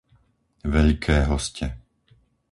Veľké Hoste